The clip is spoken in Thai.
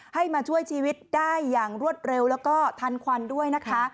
ให้มาช่วยชีวิตได้อย่างรวดเร็วแล้วก็ทันควันด้วยนะคะ